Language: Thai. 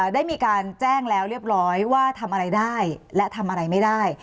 ได้มีการแจ้งแล้วเรียบร้อยว่าทำอะไรได้และทำอะไรไม่ได้